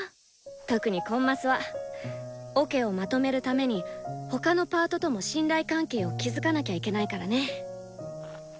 特にコンマスはオケをまとめるために他のパートとも信頼関係を築かなきゃいけないからね。